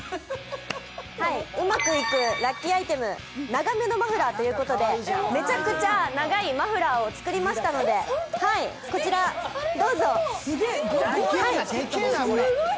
うまくいくラッキーアイテム、長めのマフラーということでめちゃくちゃ長いマフラーを作りましたので、こちら、どうぞ。